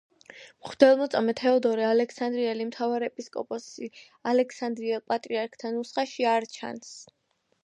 მღვდელმოწამე თეოდორე ალექსანდრიელი მთავარეპისკოპოსი ალექსანდრიელ პატრიარქთა ნუსხაში არ ჩანს.